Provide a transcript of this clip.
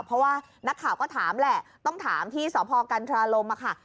เพราะว่านักข่าวก็ถามแหละต้องถามที่สพกันทราลมค่ะ